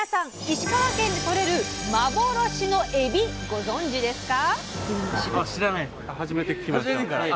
石川県でとれる幻のエビご存じですか？